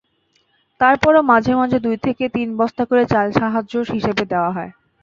তারপরও মাঝেমধ্যে দুই থেকে তিন বস্তা করে চাল সাহায্য হিসেবে দেওয়া হয়।